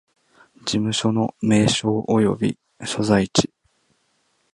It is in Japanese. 事務所の名称及び所在地